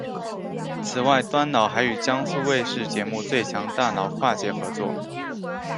此外端脑还与江苏卫视节目最强大脑跨界合作。